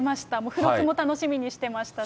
付録も楽しみにしてましたし。